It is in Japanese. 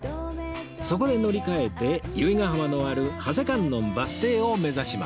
そこで乗り換えて由比ガ浜のある長谷観音バス停を目指します